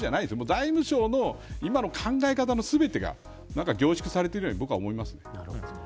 財務省の今の考え方の全てが凝縮されているように思います。